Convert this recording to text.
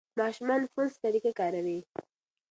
ماشومان فونس طریقه کاروي.